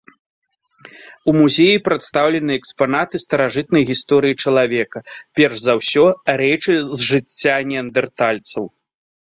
У музеі прадстаўлены экспанаты старажытнай гісторыі чалавека, перш за ўсё, рэчы з жыцця неандэртальцаў.